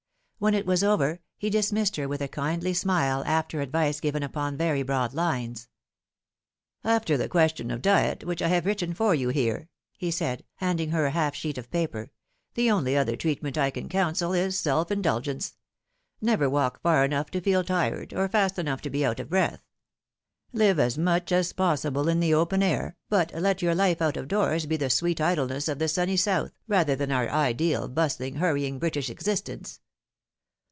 When it was over, he dismissed her with a kindly smile, after advice given upon very broad lines. " After the question of diet, which I have written for you here," he said, handing her half a sheet of paper, " the only other treatment I can counsel is self indulgence. Never walk far enough to feel tired, or fast enough to be out of breath. Live as much as possible in the open air, but let your life out of doors be the sweet idleness of the sunny South, rather than our ideal bustling, hurrying British existence.